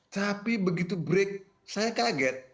tapi begitu break saya kaget